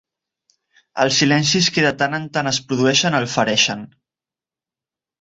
Els silencis que de tant en tant es produeixen el fereixen.